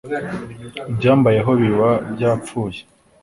Ibyambayeho biba byapfuye.